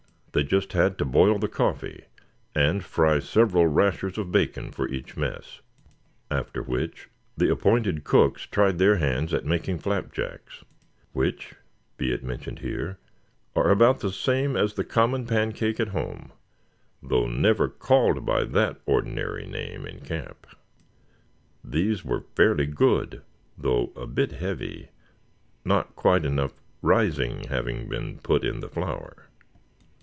They just had to boil the coffee, and fry several rashers of bacon for each mess; after which the appointed cooks, tried their hands at making flapjacks; which, be it mentioned here, are about the same as the common pancake at home, though never called by that ordinary name in camp. These were fairly good, though a bit heavy, not quite enough "rising" having been put in the flour.